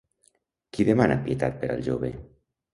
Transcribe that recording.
Qui demana pietat per al jove?